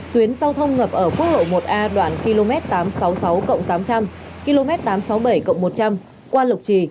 tuyến giao thông ngập ở quốc lộ một a đoạn km tám trăm sáu mươi sáu tám trăm linh km tám trăm sáu mươi bảy một trăm linh qua lục trì